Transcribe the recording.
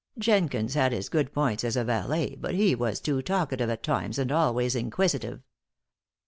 Jenkins had his good points as a valet, but he was too talkative at times and always inquisitive.